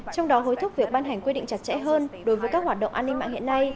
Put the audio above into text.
trong đó hối thúc việc ban hành quy định chặt chẽ hơn đối với các hoạt động an ninh mạng hiện nay